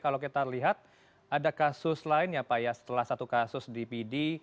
kalau kita lihat ada kasus lain ya pak ya setelah satu kasus di pd